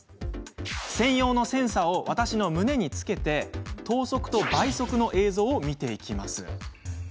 専用のセンサーを私の胸につけて等速と倍速の映像を見ていきます。